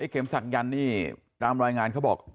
เข็มศักยันต์นี่ตามรายงานเขาบอก